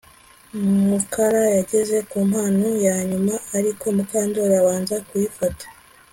Mukara yageze ku mpano ya nyuma ariko Mukandoli abanza kuyifata